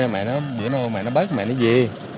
mẹ nó bớt mẹ nó về